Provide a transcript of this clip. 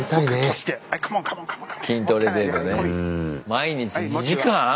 毎日２時間？